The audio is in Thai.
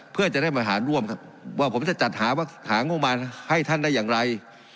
เพื่อจะได้มาหาร่วมครับว่าผมจะจัดหางบมารให้ท่านได้อย่างไร